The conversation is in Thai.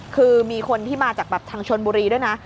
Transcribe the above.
คือมีคนที่มาจากแบบทางชนบุรีด้วยนะ